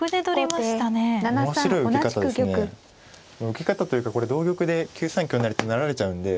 受け方というかこれ同玉で９三香成と成られちゃうんで。